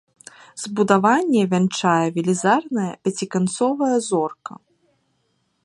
Збудаванне вянчае велізарная пяціканцовая зорка.